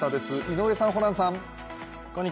井上さん、ホランさん。